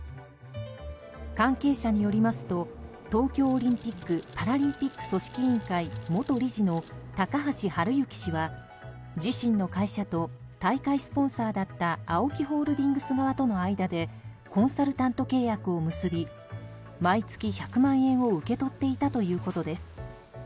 関係者によりますと東京オリンピック・パラリンピック組織委員会元理事の高橋治之氏は自身の会社と大会スポンサーだったＡＯＫＩホールディングス側との間でコンサルタント契約を結び毎月１００万円を受け取っていたということです。